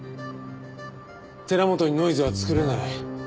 寺本にノイズは作れない。